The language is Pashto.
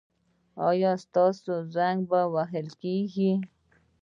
ایا ستاسو زنګ به وهل کیږي؟